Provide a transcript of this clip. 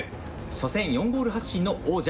初戦４ゴール発進の王者